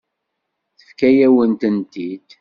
Tefka-yawen-tent-id.